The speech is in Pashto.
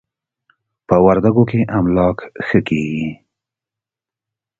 په وردکو کې املاک ښه کېږي.